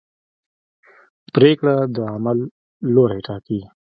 پرېکړه د عمل لوری ټاکي.